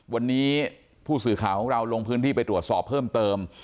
วันนี้ผู้สื่อข่าวของเราลงพื้นที่ไปตรวจสอบเพิ่มเติม